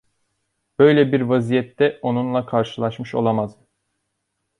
Böyle bir vaziyette onunla karşılaşmış olamazdım.